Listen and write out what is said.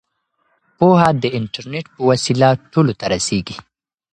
پوهه د انټرنیټ په وسیله ټولو ته رسیږي.